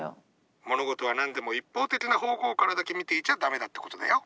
物事は何でも一方的な方向からだけ見ていちゃ駄目だってことだよ。